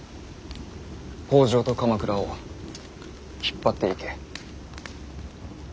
北条と鎌倉を引っ張っていけ。